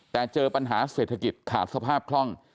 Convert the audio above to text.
แต่เจอปัญหาเศรษฐกิจขาดสภาพคล่อง